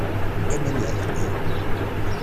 Qqim anida telliḍ!